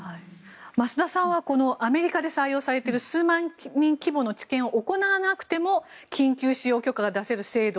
増田さんはこのアメリカで採用されている数万人規模の治験を行わなくても緊急使用許可が出せる制度。